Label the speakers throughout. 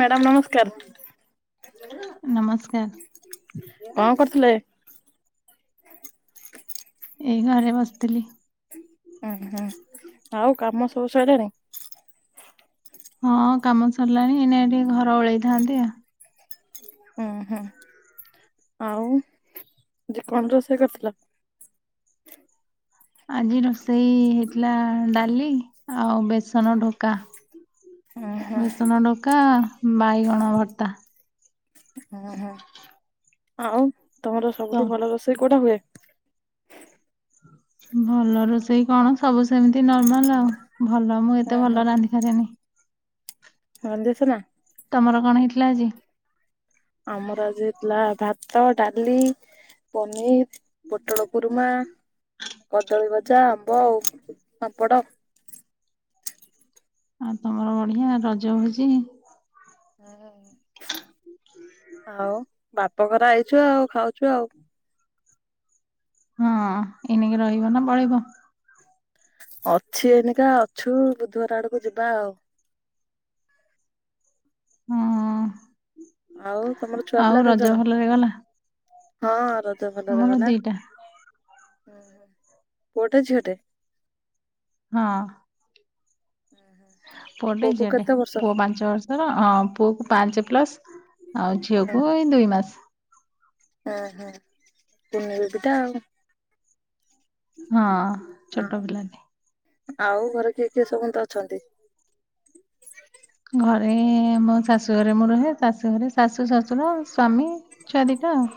Speaker 1: Madam ନମସ୍କାର
Speaker 2: ନମସ୍କାର
Speaker 1: କଣ କରୁଥିଲେ?
Speaker 2: ଏଇ ଘରେ ବସିଥିଲି।
Speaker 1: ଉୁଁ ହୁଁ ଆଉ କାମ ସବୁ ସୋଇଲାଣି?
Speaker 2: ହଁ କାମ ସରିଲାଣି ଏଇ ନ ଟିକେ ଘର ଓଳେଇଥାନ୍ତି ଆଉ।
Speaker 1: ଉଁ ହୁଁ। ଆଉ ଯେ କଣ ରୋଷେଇ କରିଥିଲ?
Speaker 2: ଆଜି ରୋଷେଇ ହେଇଥିଲା ଡାଲି ଆଉ ବେସନ ଢୋକା।
Speaker 1: ଉଁ ହୁଁ
Speaker 2: ବେସନ ଡୋକା ବାଇଗଣ ଭର୍ତ୍ତା।
Speaker 1: ଓଁ ହଁ ଆଉ ତମର
Speaker 2: ତ
Speaker 1: ସବୁଠୁ ଭଲ ରୋଷେଇ କୋଉଟା ହୁଏ?
Speaker 2: ଭଲ ରୋଷେଇ କଣ ସବୁ ସେମିତି ନର୍ମାଲ ଆଉ ଭଲ ମୁଁ ଏତେ ଭଲ ରାନ୍ଧିିପାରେନି।
Speaker 1: ମନ୍ଦ ଦେସ ନା?
Speaker 2: ତମର କଣ ହେଇଥିଲା ଆଜି?
Speaker 1: ଆମର ଆଜି ହେଥିଲା ଭାତ ଡାଲି ପନିର୍ ପୋଟଳ କୁରୁମା। କଦଳୀ ଭଜା ଆମ୍ବ ଆଉ ପାମ୍ପଡ।
Speaker 2: ଆଉ ତମର ବଢିଆ ରଜ ଭୋଜି?
Speaker 1: ଆଉ ବାପଘର ଆଇଚୁ ଆଉ ଖାଉଚୁ।
Speaker 2: ହଁ ଏନିକି ରହିବ ନା ପଳେଇବ?
Speaker 1: ଅଛି ଏନକା ଅଛୁ ବୁଧବାର ଆଡକୁ ଯିବା ଆଉ।
Speaker 2: ହଁ
Speaker 1: ଆଉ ତମର ଛୁଆ ପିଲା
Speaker 2: ଆଉ
Speaker 1: କେତେ ଜଣ?
Speaker 2: ରଜ ଭଲରେ ଗଲା?
Speaker 1: ହଁ ରଜ ଭଲ
Speaker 2: ଆମର
Speaker 1: ରେ ଗଲା।
Speaker 2: ଦିଟା
Speaker 1: ହୁଁ ପୁଅଟେ ଝିଅଟେ?
Speaker 2: ହଁ।
Speaker 1: ହୁଁ ହୁଁ।
Speaker 2: ପୁଅ ଟେ ଝିଅଟେ ପୁଅ ପାଞ୍ଚ ବର୍ଷର ହଁ ପୁଅ କୁ ପାଞ୍ଚ ପ୍ଲସ୍। ଆଉ ଝିଅକୁ ଏଇ ଦୁଇ ମାସ।
Speaker 1: ହଁ ହ କୁନି ବେବିଟା ଆଉ।
Speaker 2: ହଁ
Speaker 1: ହଁ
Speaker 2: ଛୋଟ ପିଲା ଟେ।
Speaker 1: ଆଉ ଘରେ କିଏ କିଏ ସମସ୍ତେ ଅଛନ୍ତି?
Speaker 2: ଘରେ ମୋ ଶାଶୁ ଘରେ ମୁଁ ରୁହେ ଶାଶୁ ଘରେ ଶାଶୁ ଶଶୁର ସ୍ଵାମୀ? ଛୁଆ ଦିଟା ଆଉ।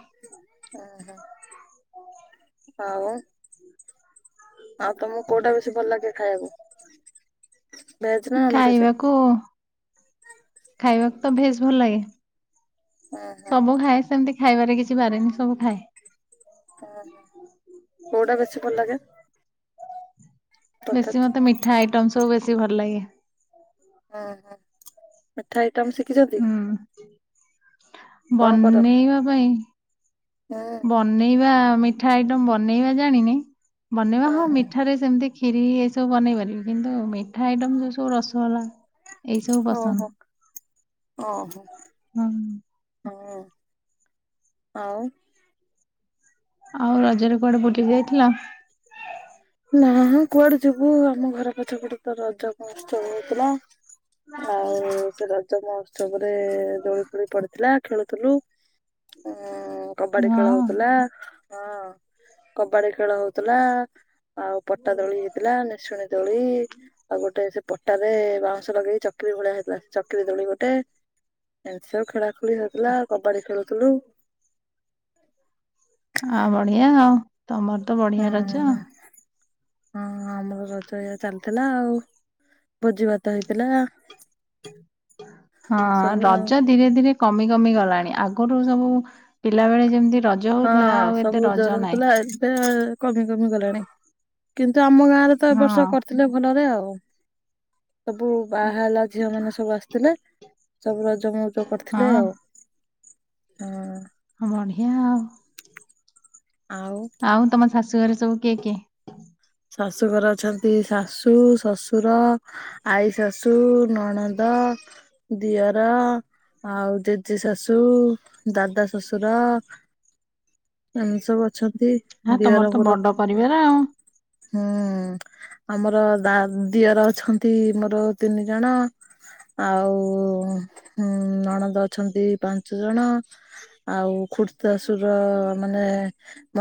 Speaker 1: ଓ ହ ଆଉ ଆଉ ତମକୁ କୋଉଟା ବେଶୀ ଭଲ ଲାଗେ ଖାଇବାକୁ? ଭେଜ ନା ନନ ଭେଜ?
Speaker 2: ଖାଇବାକୁ ଖାଇବାକୁ ତ ଭେଜେ ଭଲ ଲାଗେ ସବୁ ଖାଏ ସେମିତି। ଖାଇବାରେ କିଛି ବାରେନି ସବୁ ଖାଏ।
Speaker 1: ହୁଁ ହୁଁ କୋଉଟା ବେଶୀ ଭଲ ଲାଗେ?
Speaker 2: ବେଶୀ
Speaker 1: ତଥାପି?
Speaker 2: ମୋତେ ମିଠା ଆଇଟମ୍ ସବୁ ବେଶୀ ଭଲ ଲାଗେ।
Speaker 1: ଓହୋ ମିଠା ଆଇଟମ୍ ଶିଖିଛନ୍ତି?
Speaker 2: ହୁଁ ବନେଇବା ପାଇଁ
Speaker 1: ହଁ।
Speaker 2: ବନେଇବା ମିଠା ଆଇଟମ୍ ବନେଇବା ଜାଣିନି ବନେଇବା ହଁ ମିଠାରେ ସେମିତି ଖିରି ଏଇ ସବୁ ବନେଇ ପାରିବି କିନ୍ତୁ ମିଠା ଆଇଟମ୍ ଯୋଉ ସବୁ ରସଗୋଲା ଏଇ ସବୁ
Speaker 1: ଓହୋ
Speaker 2: ପସନ୍ଦ
Speaker 1: ଓହୋ
Speaker 2: ହୁଁ।
Speaker 1: ହଁ ଆଉ
Speaker 2: ଆଉ ରଜରେ କୁଆଡେ ବୁଲି ଯାଇଥିଲ?
Speaker 1: ନାଁ କୁଆଡେ ଯିବୁ ଆମ ଘର ପଛ ପଟେ ପା ରଜ [inaudible] ହଉଥିଲା। ଆଉ ସେ ରଜ ମହୋତ୍ସବରେ ଦୋଳି ଫୋଳି ପଡିଥିଲା। ଖେଳୁଥିଲୁ ଉଁ କବାଡି ଖେଳ ହଉ
Speaker 2: ହଁ
Speaker 1: ଥିଲା ହଁ କବାଡି ଖେଳ ହଉଥିଲା। ଆଉ ପଟା ଦୋଳି ହେଇଥିଲା ନିସୁଣୀ ଦୋଳି ଆଉ ଗୋଟେ ସେ ପଟାରେରେ ବାଉଁଶ ଲଗେଇ ଚକିରି ଭଳିଆ ହେଇଥିଲା ସେ ଚକିରି ଦୋଳି ଗୋଟେ ଏମିତିବୁ ଖେଳା ଖେଳି ହେଉଥିଲା କବାଡି ଖେଳୁଥିଲୁ।
Speaker 2: ହଁ ବଢିଆ ଆଉ ତମର ତ
Speaker 1: ଉଁ
Speaker 2: ବଢିଆ ର ଅଛ।
Speaker 1: ହଁ ଆମର ରଜ ଏଇଆ ଚାଲିଥିଲା ଆଉ ଭୋଜି ଭାତ ହେଇଥିଲା।
Speaker 2: ହଁ
Speaker 1: ସବୁ ଆଉ
Speaker 2: ରଜା ଧୀରେ ଧୀରେ କମି କମି ଗଲାଣି ଆଗରୁ ସବୁ ପିଲାବେଳେ ଯେମତି ରଜା
Speaker 1: ହଁ ସବୁ ଜୋରରେ ଥିଲା ଏବେ କମି କମି ଗଲାଣି କିନ୍ତୁ ଆମ ଗାଁରେ ତ ଏ
Speaker 2: ହଁ
Speaker 1: ବର୍ଷ ଥିଲେ ଭଲରେ ଆଉ ସବୁ ବାହାଲା ଝିଅ ମାନେ ସବୁ ଆସିଥିଲେ। ସବୁ ରଜମଉଜ କରିଥିଲେ
Speaker 2: ହଁ
Speaker 1: ଆଉ। ହଁ।
Speaker 2: ହଁ ବଢିଆ ଆଉ।
Speaker 1: ଆଉ।
Speaker 2: ଆଉ ତମ ଶାଶୁଘରେ ସବୁ କିଏ କିଏ?
Speaker 1: ଶାଶୁଘର ଅଛନ୍ତି ଶାଶୁ ଶଶୁର ଆଈ ଶାଶୁ ନଣଦ ଦିଅର ଆଉ ଜେଜେ ଶାଶୁ ଦାଦା ଶଶୁର ଆମେ ସବୁ ଅଛନ୍ତି।
Speaker 2: ହ
Speaker 1: ଦିଅର
Speaker 2: ତମର ତ
Speaker 1: ମୋର
Speaker 2: ବଡ ପରିବାର ଆଉ।
Speaker 1: ହୁଁ। ଆମର ଦା ଦିଅର ଅଛନ୍ତି ମୋର ତିନି ଜଣ ଆଉ ନଣନ୍ଦ ଅଛନ୍ତି ପାଞ୍ଚ ଜଣ ଆଉ ଖୁର୍ଦ୍ତାସୁର ମାନେ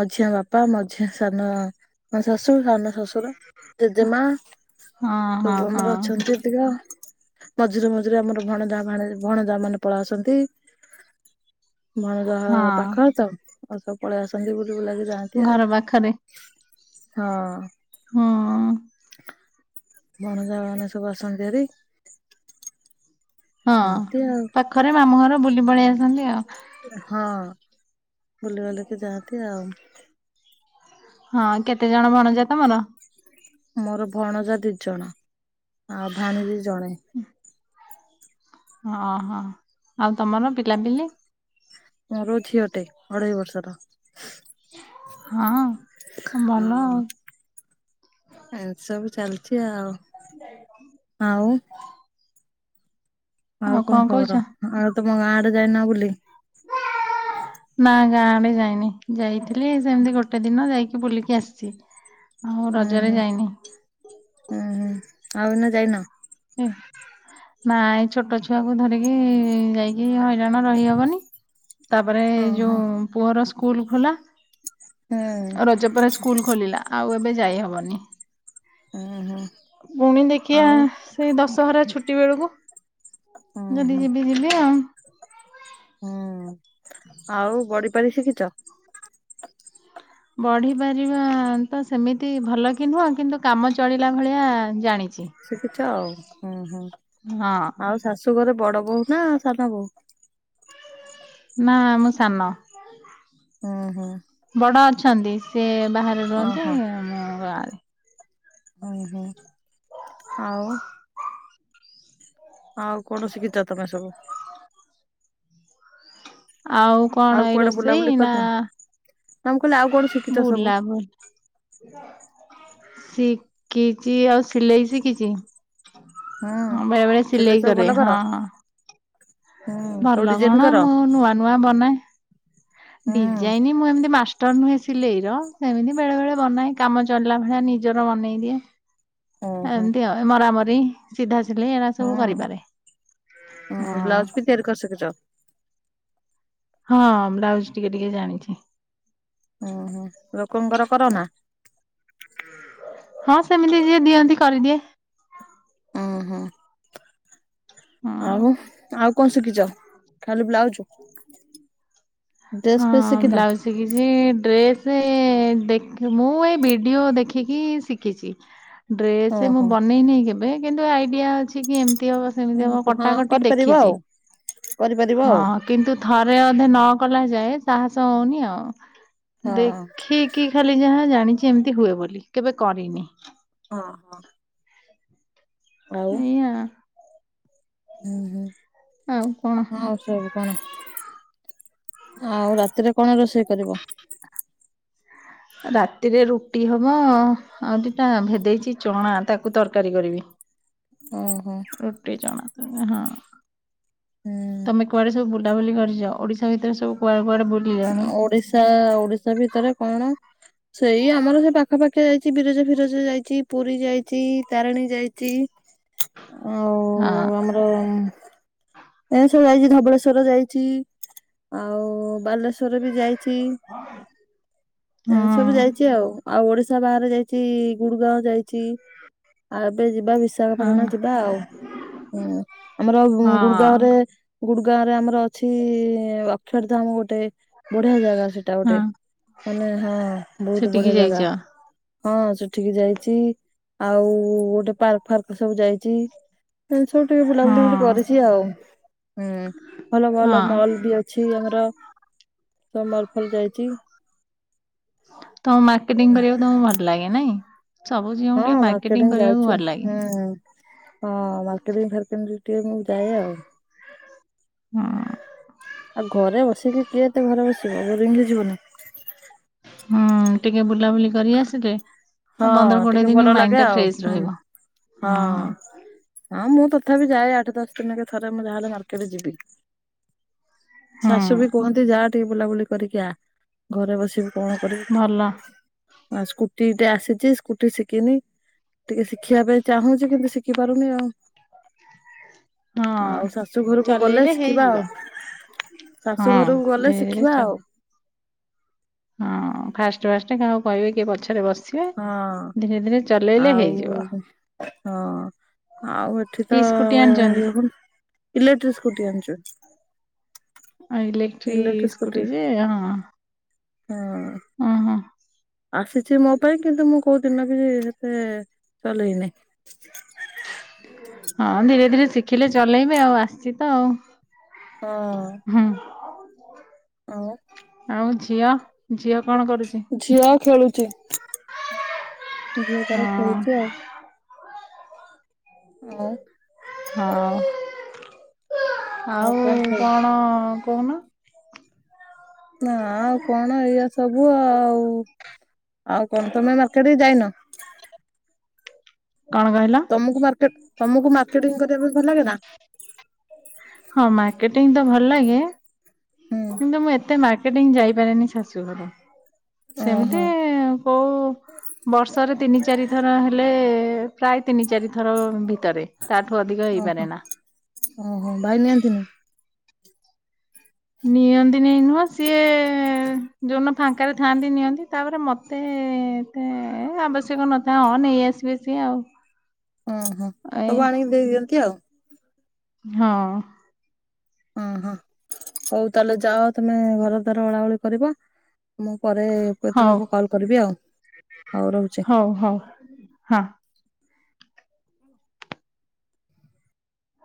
Speaker 1: ମଝିଆ ବାପା ମଝିଆ ସାନ ଶଶୁ ସାନ ଶ୍ୱଶୁର ଜେଜେମା
Speaker 2: ହଁ ହଁ
Speaker 1: ସବୁ
Speaker 2: ହଁ
Speaker 1: ଆମର ଅଛନ୍ତି। [unintelligible] ମଝିରେ ମଝିରେ ଆମର ଭଣଯା ଭଣଯା ମାନେ ପଳ ଆସନ୍ତି। ମଣଜ
Speaker 2: ହଁ
Speaker 1: ପାଖ ତ ଆଉ ସବୁ ପଳେଇ ଆସନ୍ତି ବୁଲି ବୁଲାକି ଯାଆନ୍ତି ଆଉ।
Speaker 2: ଘର ପାଖରେ
Speaker 1: ହଁ।
Speaker 2: ହଁ।
Speaker 1: ବଣଜା ମାନେ ସବୁ ଆସନ୍ତି ହେରା।
Speaker 2: ହଁ
Speaker 1: ଏମିତି ଆଉ
Speaker 2: ପାଖରେ ମାମୁଁ ଘର ବୁଲି ପଳେଇ ଆସନ୍ତି ଆଉ।
Speaker 1: ହଁ ବୁଲିବାଲିକ ଯାଆନ୍ତି ଆଉ।
Speaker 2: ହଁ କେତେ ଜଣ ଭଣଜା ତମର
Speaker 1: ମୋର ଭଣଜା ଦି ଜଣ ଆଉ ଭାଣୀ ଦୀ ଜଣେ
Speaker 2: ଓହୋ ଆଉ ତମର ପିଲାପିଲି?
Speaker 1: ମୋର ଝିଅଟେ ଅଢେଇ ବର୍ଷର।
Speaker 2: ହଁ ଭଲ ଆଉ।
Speaker 1: ଏ ସବୁ ଚାଲିଛି ଆଉ।
Speaker 2: ଯାଇ।
Speaker 1: ହଉ। ଆଉ କଣ ଖବର ଆଉ ତମ ଗାଁଆଡେ ଯାଇନା ବୋଲିଲି।
Speaker 2: ନା ଗାଁ ଆଡେ ଯାଇନି ଯାଇଥିଲି ସେମିତି ଗୋଟେ ଦିନ ଯାଇକି ବୁଲିକି ଆସିଛି। ଆଉ
Speaker 1: ହୁଁ
Speaker 2: ରଜରେ
Speaker 1: ହୁଁ
Speaker 2: ଯାଇନି
Speaker 1: ହୁଁ ହୁଁ ଆଉ ଏନା ଯାଇନ।
Speaker 2: ନା ଏଇ ଛୋଟ ଛୁଆକୁ ଧରିକି ଯାଇ ଏଇ ହଇରାଣ ରହିହବନି ତାପରେ
Speaker 1: ଓହୋ
Speaker 2: ଯୋଉ ପୁଅର ସ୍କୁଲ ଖୋଲା।
Speaker 1: ହୁଁ ହୁଁ
Speaker 2: ରଜ ପରେ ସ୍କୁଲ ଖୋଲିଲା ଆଉ ଏବେ ଯାଇହବନି।
Speaker 1: ହୁଁ
Speaker 2: ପୁଣି ଦେଖିିବା
Speaker 1: ଆଉ
Speaker 2: ସେଇ ଦଶହରା ଛୁଟି ବେଳକୁ
Speaker 1: ହୁଁ
Speaker 2: ଯଦି
Speaker 1: ହୁଁ
Speaker 2: ଯିବି ଯିବି ଆଉ।
Speaker 1: ହୁଁ ଆଉ ବଢିପାରି ଶିଖିଛ।
Speaker 2: ବଢ଼ିପାରିବାତ ସେମିତି ଭଲକି ନୁହଁ କିନ୍ତୁ କାମ ଚଳିଲା ଭଳିଆ ଜାଣିଚି।
Speaker 1: ସିକିଚ ଆଉ ହଁ ହଁ
Speaker 2: ହଁ
Speaker 1: ଆଉ ଶାଶୁଘରେ ବଡ଼ ବୋହୁନା ସାନ ବୋହୁ।
Speaker 2: ନା ମୁଁ ସାନ।
Speaker 1: ଓହୋ।
Speaker 2: ବଡ଼ ଅଛନ୍ତି ସେବାହାରେ ରୁହନ୍ତି
Speaker 1: ଓହୋ
Speaker 2: ମୁଁ ଗାଁରେ।
Speaker 1: ଉଁ ହୁଁ ଆଉ। ଆଉ କଣ ଶିଖିଚି ତମେ ସବୁ?
Speaker 2: ଆଉ କଣ ଏଇ
Speaker 1: କୁଆଡେ ବୁଲାବୁଲି
Speaker 2: ରୋଷେଇ ନାଁ।
Speaker 1: କରିନ ମୁଁ କହିଲି ଆଉ ଗୋ
Speaker 2: ବୁଲା ବୁଲି ଶିଖିଚି ଆଉ ସିଲେଇ ଶିଖିଚି।
Speaker 1: ହୁଁ
Speaker 2: ହଁ ବେଳେବେଳେ
Speaker 1: ସିଲେଇ
Speaker 2: ସିିଲେଇ
Speaker 1: ସବୁ
Speaker 2: କରେ
Speaker 1: ଭଲ କର
Speaker 2: ହଁ ହଁ।
Speaker 1: ହୁଁ ସବୁ
Speaker 2: ଭଲ
Speaker 1: ଡିଜାଇନ
Speaker 2: କଣ
Speaker 1: କର
Speaker 2: ମୁଁ ନୂଆ ନୂଆ ବନାଏ
Speaker 1: ହୁଁ
Speaker 2: ଡିଜାଇନ୍ ମୁଁ ଏମତି ମାଷ୍ଟ ର ନୁହେଁ ସିଲେଇର ସେମିତି ବେଳେ ବେଳେ ବନାଏ କାମ ଚଳିଲା ଭଳିଆ ନିଜର ବନେଇ ଦିଏ।
Speaker 1: ଓହୋ
Speaker 2: ଏମତି ଆଉ ମରାମରି। ସିଧା ସିିଲେଇ ଏରାସବୁ
Speaker 1: ହୁଁ
Speaker 2: କରିପାରେ
Speaker 1: ହୁଁ
Speaker 2: ହଁ।
Speaker 1: ବ୍ଲାଉଜ ବି ତିଆରି କରି ସିକିଚ।
Speaker 2: ହଁ ବ୍ଲାଉଜ୍ ଟିକେ ଟିକେ ଜାଣିଚି।
Speaker 1: ଉଁ ହୁଁ ଲୋକଙ୍କର କରନା?
Speaker 2: [inaudible] ହଁ ସେମିତି ଯିଏ ଦିଅନ୍ତି କରିଦିଏ।
Speaker 1: ଉଁ ହୁଁ
Speaker 2: ହଁ।
Speaker 1: ଆଉ ଆଉ କଣ ଶିଖିଚ? ଖାଲି ବ୍ଲାଉଜ୍।
Speaker 2: ହଁ ବ୍ଲାଉଜ୍। ଶିଖିଛି ଡ୍ରେସ୍ ଦେଖି ମୁଁଏଇ ଭିଡ଼ିଓ ଦେଖିକି ଶିଖିଚି।
Speaker 1: [inaudible]
Speaker 2: ଡ୍ରେସ୍
Speaker 1: ଓହୋ
Speaker 2: ମୁବନେଇନି କେବେ କିନ୍ତୁ ଆଇଡିଆ ଅଛି। ଟିକେ ଏମିତି ହବ ସେମିତି ହବ
Speaker 1: ହଁ
Speaker 2: କଟାକଟି
Speaker 1: କରିପାରିବ
Speaker 2: ଦେଖିଚି
Speaker 1: ଆଉ କରିପାରିବ
Speaker 2: ହଁ।
Speaker 1: ଆଉ
Speaker 2: କିନ୍ତୁ ଥରେ ଅଧେ ନକଲାଯାଏ ସାହସ ହଉନି ଆଉ
Speaker 1: ହଁ
Speaker 2: ଦେଖି କି ଖାଲି ଯାହା ଜାଣିଚି ଏମିତି ହୁଏ ବୋଲି କେବେ କରିନି।
Speaker 1: ଅଁ ହଁ।
Speaker 2: ଏଇଆ।
Speaker 1: ଉଁ ହୁଁ।
Speaker 2: ଆଉ କଣ।
Speaker 1: ହଁ ସବୁ କଣ ଆଉ ରାତିରେ କଣ ରୋଷେଇ କରିବ?
Speaker 2: ରାତିରେ ରୁଟି ହବ ଆଉ ଦିଟା ଭେଦେଇଚି ଚଣା ତାକୁ ତରକାରୀ କରିବି।
Speaker 1: ଓହୋ।
Speaker 2: ରୁଟି ଚଣାକ ହଁ
Speaker 1: ହୁଁ
Speaker 2: ତମେ କୁଆଡ଼େ ସବୁ ବୁ ବୁଲା ବୁଲି କରିଚ ଓଡିଶା ଭିତରେ ସବୁ କୁଆଡ଼େ କୁଆଡ଼େ ବୁ
Speaker 1: ଓଡିଶା ଓଡିଶା ଭିତରେ କଣ ସେଇ ଆମର ସେପାଖାପାଖି ଯାଇଚି ବିରଜା ଫିରଜା ଯାଇଚି ପୁରୀ ଯାଇଚି ତାରିଣୀ ଯାଇଚି। ଆଉ
Speaker 2: ହଁ
Speaker 1: ଆମ ର ଏସବୁ ଯାଇଚି ଧବଳେଶ୍ଵର ଯାଇଚି ଆଉ ବାଲେ ଶ୍ବରବି ଜାଇଚି।
Speaker 2: [unintelligible]
Speaker 1: [inaudible]
Speaker 2: ହଁ
Speaker 1: ଏମିତିସବୁ ଯାଇଚି ଆଉ ଆଉ ଓଡିଶା ବାହାରେ ଯାଇଚି ଗୁଡ଼ଗାଁ ଯାଇଚି। ଆଉ ଏବେ ଯିବା
Speaker 2: ହଁ
Speaker 1: ବିଶାଖାପାଟଣା ଯିବା ଆଉ ହୁଁ ଆମର
Speaker 2: ହଁ
Speaker 1: ଗୁଡଗାଁରେ ଗୁଡ଼ ଗାଁରେ ଆମର ଅଛି ଅକ୍ଷରଧାମ ଗୋଟେ ବଢ଼ିଆ ଜାଗା ସେଟା ଗୋଟେ
Speaker 2: ହଁ
Speaker 1: ମାନେ ହଁ ବହୁତ୍
Speaker 2: ସେଠିକି
Speaker 1: ବଢ଼ିଆ ଜାଗା।
Speaker 2: ଯାଇଛ
Speaker 1: ହଁ ସେଠିକି ଯାଇଛି ଆଉ ଗୋଟେ ପାର୍କ ଫାର୍କ ସବୁ ଯାଇଛି। ଏନ୍ତି ସବୁ ଟିକେ
Speaker 2: ହଁ
Speaker 1: ବୁଲାବୁଲି ବୁଲି କରିଚି ଆଉ ଉଁ ଭଲ
Speaker 2: ହଁ
Speaker 1: ଭଲ ମଲ୍ ବି ଅ ଛି ଆମର। ସେ ମଲ୍ ଫଲ୍ ଯାଇଛି।
Speaker 2: ତମୁକୁ ମାର୍କେଟିଙ୍ଗ୍ କରିବାକୁ ତମୁକୁ ଭଲ ଲାଗେ ନାଇଁ ସବୁ ଝିଅଙ୍କୁ
Speaker 1: ହଁ
Speaker 2: ଟିକେ
Speaker 1: ମାର୍କେଟିଂ
Speaker 2: ମାର୍କେଟିଙ୍ଗ୍ କରିବାକୁ
Speaker 1: ଯାଇଛୁ
Speaker 2: ଭଲ ଲାଗେ।
Speaker 1: ହୁଁ ହଁ ମାର୍କେଟିଙ୍ଗ୍ ଫାର୍କେଡ୍ରିଂ ଟିକେ ମୁଁ ଯାଏ ଆଉ।
Speaker 2: ହଁ।
Speaker 1: ଆଉ ଘରେ ବସିକି କିଏ ଏତେ ଘରେ ବସିବ ବୋରିଙ୍ଗ୍ ହେଇ ଯିବନି।
Speaker 2: ହୁଁ ଟିକେ ବୁଲାବୁଲି କରି ଆସିଲେ
Speaker 1: ହଁ
Speaker 2: ପନ୍ଦର କୋଡିଏ
Speaker 1: ଟିକେ
Speaker 2: ଦିନ
Speaker 1: ଭଲ ଲାଗେ
Speaker 2: ମାଇଣ୍ଡ ଟା
Speaker 1: ଆଉ
Speaker 2: ଫ୍ରେଶ
Speaker 1: ହୁଁ
Speaker 2: ରହିବ।
Speaker 1: ହଁ।
Speaker 2: ହୁଁ
Speaker 1: ହଁ ମୁଁ ତଥାପି ଯାଏ ଆଠ ଦଶ ଦିନେକେ ଥରେ ମୁଁ ଯାହେଲେ ମାର୍କେଟେ ଯିବି।
Speaker 2: ହୁଁ
Speaker 1: ଶାଶୁ ବି କୁହନ୍ତି ଯା ଟିକେ ବୁଲାବୁଲି କରିକି ଆ ଘରେ ବସିବୁ କଣ କରିବୁ
Speaker 2: ଭଲ
Speaker 1: ଆଉ ସ୍କୁଟିଟେ ଆସିଛି ସ୍କୁଟି ଶିକିନି। ଟିକେ ଶିଖିଆ ପେଇଁ ଚାହୁଁଛି କିନ୍ତୁ ଶିଖି ପାରୁନି ଆଉ।
Speaker 2: ହଁ
Speaker 1: ଆଉ ଶାଶୁ ଘରୁକୁ ଗଲେ
Speaker 2: ଚଲେଇଲେ
Speaker 1: ଶିକିବା
Speaker 2: ହେଇଯିବ।
Speaker 1: ଆଉ। ଶାଶୁ
Speaker 2: ହଁ
Speaker 1: ଘରୁକୁ ଗଲେ
Speaker 2: ଧୀରେ ଧୀରେ
Speaker 1: ଶିଖିବା
Speaker 2: ଚ
Speaker 1: ଆଉ।
Speaker 2: ହଁ ଫାଷ୍ଟେ ଫାଷ୍ଟେ ଜଣକୁ କହିବେ କିଏ ପଛରେ ବସି
Speaker 1: ହଁ ଆଉ
Speaker 2: ହେଇଯିବ
Speaker 1: ହଁ। ଆଉ ଏଠି
Speaker 2: କି
Speaker 1: ତ
Speaker 2: ସ୍କୁଟି ଆଣିଛନ୍ତି?
Speaker 1: ଇଏ ଫୁଣି ଇଲେକ୍ଟ୍ରି ସ୍କୁଟି ଆଣିଚନ୍।
Speaker 2: ଆ ଇଲେକ୍ଟ୍ରି ସ୍କୁଟି ଯେ ହଁ
Speaker 1: ହଁ।
Speaker 2: ଅଁ ହଁ।
Speaker 1: ଆସିଛି ମୋ ପାଇଁ କିନ୍ତୁ ମୁଁ କୋଉ ଦିନ ବି ହେତେ ଚଲେଇନି।
Speaker 2: ହଁ ଧୀରେ ଧୀରେ ଶିଖିଲେ ଚଲେଇବେ ଆଉ ଆସିଛି ତ ଆଉ।
Speaker 1: ହଁ।
Speaker 2: ହୁଁ।
Speaker 1: ଆଉ।
Speaker 2: ଆଉ ଝିଅ ଝିଅ କଣ କରୁଛି।
Speaker 1: ଝିଅ ଖେଳୁଚି ଝିଅ ତାର
Speaker 2: ହଁ
Speaker 1: ଖେଳୁଚି ଆଉ। ଆଉ।
Speaker 2: ହଉ ଆଉ କଣ କହୁନ।
Speaker 1: ନା ଆଉ କଣ ଏଇଆ ସବୁ ଆଉ ଆଉ କଣ ତମେ ମାର୍କେଟେକି ଯାଇନ।
Speaker 2: କଣ କହିଲ?
Speaker 1: ତମକୁ ମାର୍କେଟ୍ ତମକୁ ମାର୍କେଟିଙ୍ଗ୍ କରିବା ପାଇଁ ଭଲ ଲାଗେ ନା।
Speaker 2: ହଁ ମାର୍କେଟିଙ୍ଗ୍ ତ ଭଲ ଲାଗେ
Speaker 1: ହୁଁ
Speaker 2: କିନ୍ତୁ ମୁଁ ଏତେ ମାର୍କେଟିଙ୍ଗ୍ ଯାଇପାରେନି ଶାଶୁଘରୁ। ସେମିତି
Speaker 1: ଓହୋ
Speaker 2: କୋଉ ବର୍ଷରେ ତିନି ଚାରି ଥର ହେଲେ ପ୍ରାୟ ତିନି ଚାରିଥର ଭିତରେ। ତା ଠୁ ଅଧିକା
Speaker 1: ଓହୋ
Speaker 2: ହେଇପାରେ ନା।
Speaker 1: ଓହୋ ଭାଇ ନିଅନ୍ତିନି।
Speaker 2: ନିଅନ୍ତିନି ନୁହଁ ସିଏ ଯୋଉ ଦିନ ଫାଙ୍କାରେ ଥାଆନ୍ତି ନିଅନ୍ତି ତାପରେ ମତେ ଏ ଆବଶ୍ୟକ ନଥାଏ ହଁ ନେଇ ଆସିବେ ସିଏ ଆଉ।
Speaker 1: ଉଁ ହୁଁ
Speaker 2: ଏଇ
Speaker 1: ସବୁ ଆଣିକି ଦେଇ ଦିଅନ୍ତି ଆଉ।
Speaker 2: ହଁ।
Speaker 1: ଅଁ ହଁ ହଉ ତାହେଲେ ଯାଅ ତମେ ଘରଦ୍ୱାର ଓଳାଓଳି କରିବ। ମୁଁ ପରେ
Speaker 2: ହଉ
Speaker 1: କେତେବେଳୁକୁ କଲ୍ କରିବି ଆଉ ହଉ ରହୁଛି।
Speaker 2: ହଉ ହଉ। ହଁ।